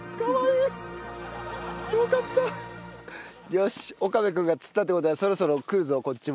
よし岡部君が釣ったって事はそろそろ来るぞこっちも。